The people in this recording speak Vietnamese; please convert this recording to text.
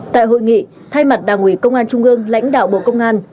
tại hội nghị thay mặt đảng ủy công an trung ương lãnh đạo bộ công an